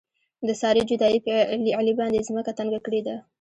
د سارې جدایۍ په علي باندې ځمکه تنګه کړې ده.